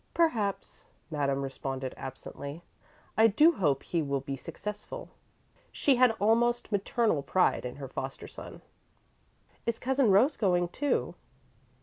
"Perhaps," Madame responded, absently. "I do hope he will be successful." She had almost maternal pride in her foster son. "Is Cousin Rose going, too?"